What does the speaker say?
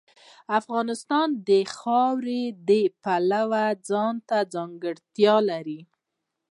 افغانستان د خاوره د پلوه ځانته ځانګړتیا لري.